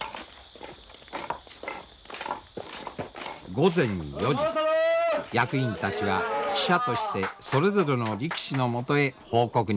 午前４時役員たちが使者としてそれぞれの力士のもとへ報告に向かいます。